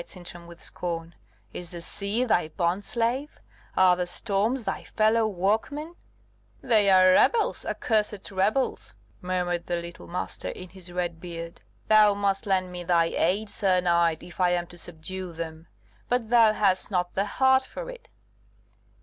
replied Sintram, with scorn. "Is the sea thy bond slave? Are the storms thy fellow workmen?" "They are rebels, accursed rebels," muttered the little Master in his red beard. "Thou must lend me thy aid, sir knight, if I am to subdue them; but thou hast not the heart for it."